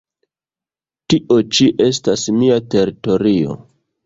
Tio ĉi estas mia teritorio".